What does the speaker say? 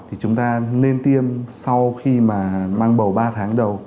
thì chúng ta nên tiêm sau khi mà mang bầu ba tháng đầu